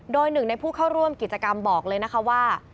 โดยหนึ่งในผู้เข้าร่วมกิจกรรมบอกเลยนะคะว่า